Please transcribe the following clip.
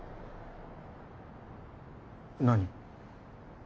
何？